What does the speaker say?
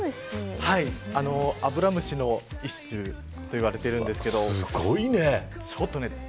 アブラムシの一種といわれているんですけど。